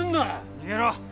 逃げろ！